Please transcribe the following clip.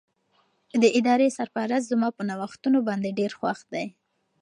د ادارې سرپرست زما په نوښتونو باندې ډېر خوښ دی.